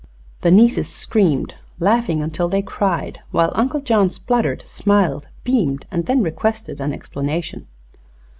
The nieces screamed, laughing until they cried, while Uncle John spluttered, smiled, beamed, and then requested an explanation.